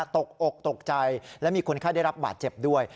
ตกอกตกใจและมีคนไข้ได้รับบาดเจ็บด้วย